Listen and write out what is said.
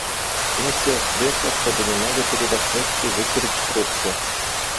Я сел в кресло, чтобы немного передохнуть и выкурить трубку.